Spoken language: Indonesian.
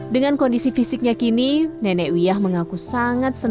dengan kondisi fisiknya kini nenek wiyah mengaku sangat senang